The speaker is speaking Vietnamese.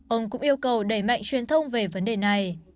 ông cũng yêu cầu đẩy mạnh truyền thông về vấn đề này